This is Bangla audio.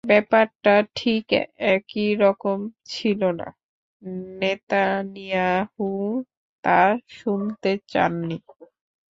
ব্যাপারটা ঠিক একই রকম ছিল না, নেতানিয়াহুও তা শুনতে চাননি।